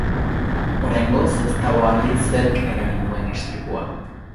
Oraingoz ez dago argi zerk eragin duen istripua.